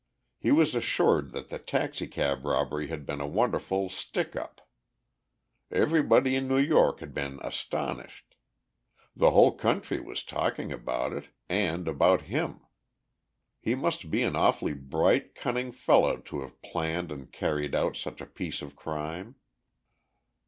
He was assured that the taxicab robbery had been a wonderful "stick up." Everybody in New York had been astonished. The whole country was talking about it, and about him. He must be an awfully bright, cunning fellow to have planned and carried out such a piece of crime.